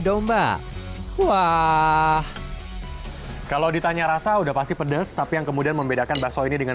domba wah kalau ditanya rasa udah pasti pedes tapi yang kemudian membedakan bakso ini dengan